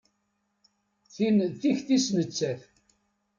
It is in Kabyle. Tin d tikti-s nettat.